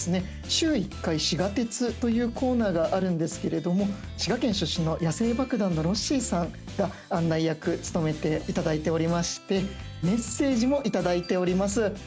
週１回「しが鉄」というコーナーがあるんですけれども滋賀県出身の野生爆弾のロッシーさんが案内役務めていただいておりましてメッセージもいただいております。